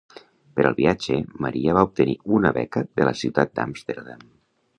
Per al viatge, Maria va obtenir una beca de la ciutat d'Amsterdam.